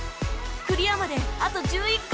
クリアまであと１１個